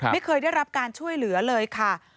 ไม่เคยได้รับการช่วยเหลือเลยค่ะ